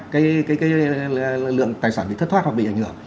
cái lượng tài sản bị thất thoát hoặc bị ảnh hưởng